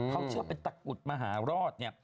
เขาเชื่อเป็นตะกรุดมหารอด